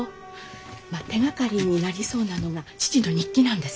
まあ手がかりになりそうなのが父の日記なんです。